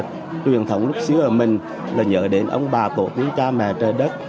truyền thống lúc xưa ở mình là nhờ đến ông bà cổ quý ca mẹ trời đất